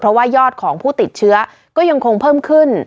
เพราะว่ายอดของผู้ติดเชื้อก็ยังคงเพิ่มขึ้น